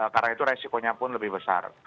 karena itu resikonya pun lebih besar